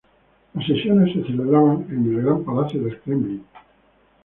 Las sesiones se celebraban en el Gran Palacio del Kremlin.